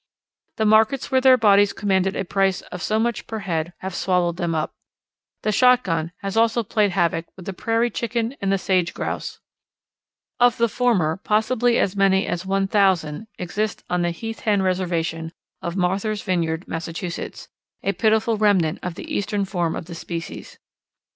The markets where their bodies commanded a price of so much per head have swallowed them up. The shotgun has also played havoc with the Prairie Chicken and the Sage Grouse. Of the former possibly as many as one thousand exist on the Heath Hen Reservation of Martha's Vineyard, Massachusetts, a pitiful remnant of the eastern form of the species.